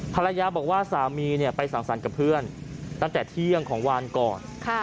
ภรรยาบอกว่าสามีไปสั่งสรรค์กับเพื่อนตั้งแต่เที่ยงของวานก่อน